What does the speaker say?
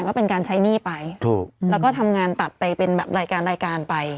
ก็เป็นการใช้หนี้ไปถูกแล้วก็ทำงานตัดไปเป็นแบบรายการรายการไป